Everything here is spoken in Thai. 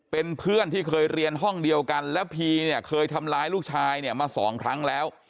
เป็นเพื่อนที่เคยเรียนห้องเดียวกันแล้วพีเนี่ยเคยทำร้ายลูกชายเนี่ยมาสองครั้งแล้ว